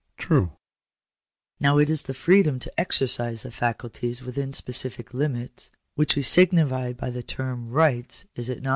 " True." "Now it is this freedom to exercise the faculties within specific limits, which we signify by the term ' rights/ is it not